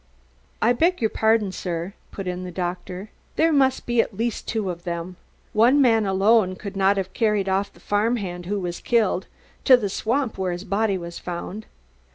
"I beg your pardon, sir," put in the doctor. "There must be at least two of them. One man alone could not have carried off the farm hand who was killed to the swamp where his body was found.